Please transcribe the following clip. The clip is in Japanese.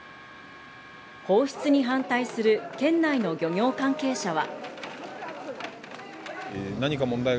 放出に反対する県内の漁業関係者は。